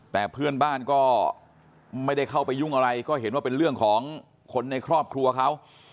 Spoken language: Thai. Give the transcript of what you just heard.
แต่เพื่อนบ้านก็ไม่ได้เข้าไปยุ่งอะไรก็เห็นว่าเป็นเรื่องของคนในครอบครัวเขา